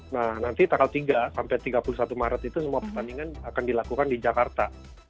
nah nanti tanggal tiga sampai tiga puluh satu maret itu semua pertandingan akan dilakukan di jakarta